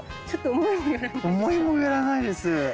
思いもよらないです。